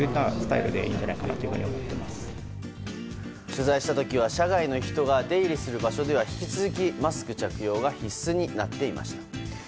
取材した時は社外の人たちが出入りする場所では引き続きマスク着用が必須になっていました。